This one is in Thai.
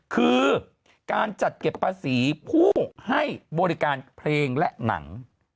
คือการจัดเก็บภาษีผู้ให้บริการเพลงและหนัง